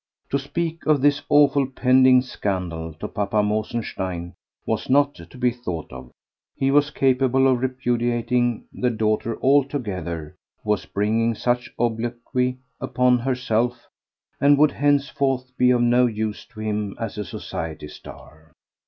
To speak of this awful pending scandal to Papa Mosenstein was not to be thought of. He was capable of repudiating the daughter altogether who was bringing such obloquy upon herself and would henceforth be of no use to him as a society star.